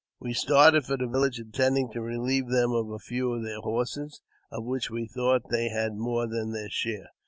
We started for the village, intending to relieve them of a few of their horses, of which we thought they had more than their share.